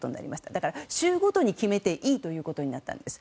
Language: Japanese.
だから州ごとに決めていいということになったんです。